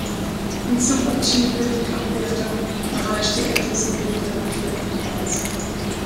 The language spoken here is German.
In Super-G-Weltcupwertung erreichte er in diesem Winter den vierten Platz.